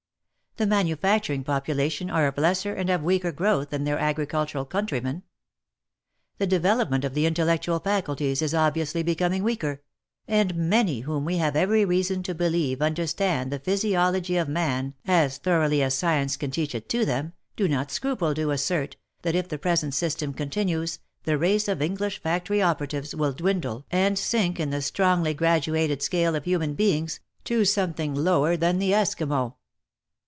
The manufacturing population are of lesser and of weaker growth than their agricultural countrymen. The development of the intellectual faculties is obviously becoming weaker, and many whom we have every reason to believe understand the physiology of man as thoroughly as science can teach it to them, do not scruple to assert, that if the pre sent system continues, the race of English factory operatives will dwindle and sink in the strongly graduated scale of human beings, to something lower than the Esquimaux."